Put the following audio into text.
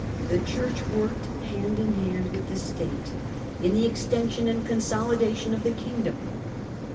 The Church worked hand in hand with the State in the extension and consolidation of the kingdom.